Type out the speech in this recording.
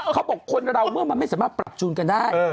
เขาบอกคนเราเมื่อมันไม่สามารถปรับจูนกันได้